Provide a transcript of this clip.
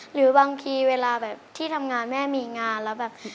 หรือบางทีเวลาแบบที่ทำงานแม่มีงานแล้วแบบ